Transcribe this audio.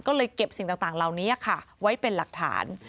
ก็เลยเก็บสิ่งต่างเหล่านี้ค่ะไว้เป็นหลักฐาน